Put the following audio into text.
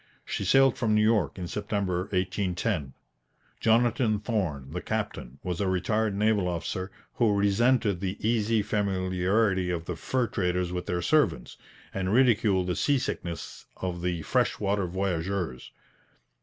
She sailed from New York in September 1810. Jonathan Thorn, the captain, was a retired naval officer, who resented the easy familiarity of the fur traders with their servants, and ridiculed the seasickness of the fresh water voyageurs.